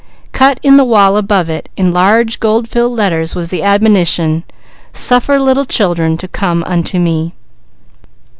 Cut in the wall above it in large gold filled letters was the admonition: "Suffer little children to come unto me."